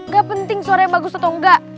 gak penting suaranya bagus atau enggak